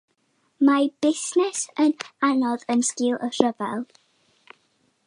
Mae busnes yn anodd yn sgil y rhyfel.